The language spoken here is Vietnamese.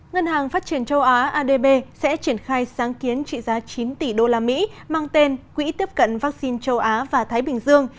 ngân hàng phát triển châu á sẽ triển khai sáng kiến trị giá chín tỷ usd mang tên quỹ tiếp cận vắc xin châu á và thái bình dương